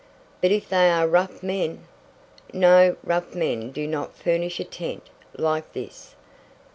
"But if they are rough men " "No, rough men do not furnish a tent like this.